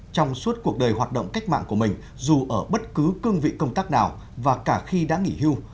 trong suốt cuộc đời hoạt động cách mạng của mình dù ở bất cứ cương vị công tác nào và cả khi đã nghỉ hưu